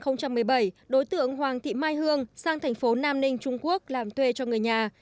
năm hai nghìn một mươi bảy đối tượng hoàng thị mai hương sang thành phố nam ninh trung quốc làm thuê cho người nhà